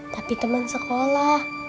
tapi teman sekolah